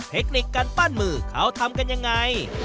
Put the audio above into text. เทคนิคการปั้นมือเขาทำกันยังไง